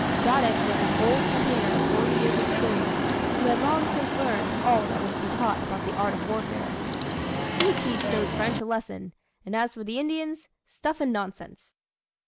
Braddock was an old campaigner of forty years' experience, who had long since learned all that was to be taught about the art of warfare. "He'd teach those French a lesson and as for the Indians stuff and nonsense!"